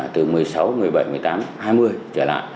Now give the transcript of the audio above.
từ một mươi sáu một mươi bảy một mươi tám hai mươi trở lại